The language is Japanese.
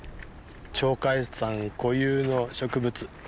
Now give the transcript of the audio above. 鳥海山固有の植物